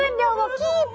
キープ！